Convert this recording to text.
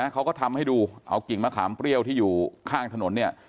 เขาก็ทำให้ดูเอากิ่งมะขามเปรี้ยวที่อยู่ข้างถนนเนี่ย